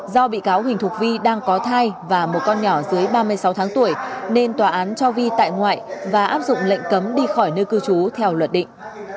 do bị cáo huỳnh thuộc vi đang có thai và một con nhỏ dưới ba mươi sáu tháng tuổi nên tòa án cho vi tại ngoại và áp dụng lệnh cấm đi khỏi nơi cư trú theo luật định